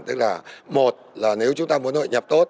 tức là một là nếu chúng ta muốn hội nhập tốt